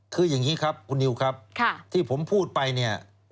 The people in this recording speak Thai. คืออย่างนี้ครับคุณนิวครับที่ผมพูดไปเนี่ย